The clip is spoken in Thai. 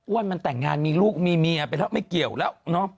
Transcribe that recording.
มันแต่งงานมีลูกมีเมียไปแล้วไม่เกี่ยวแล้วเนอะ